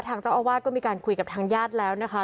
ทางเจ้าอาวาสก็มีการคุยกับทางญาติแล้วนะคะ